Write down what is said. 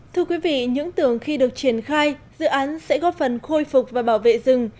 thưa quý vị những tưởng khi được triển khai dự án sẽ góp phần khôi phục và bảo vệ rừng